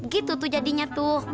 gitu tuh jadinya tuh